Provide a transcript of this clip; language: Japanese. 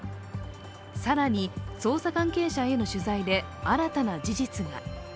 更に、捜査関係者への取材で新たな事実が。